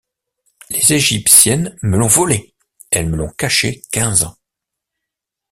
Les égyptiennes me l’ont volée, elles me l’ont cachée quinze ans.